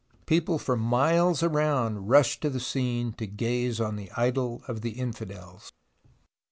People for miles around rushed to the scene to gaze on the idol of the infidels.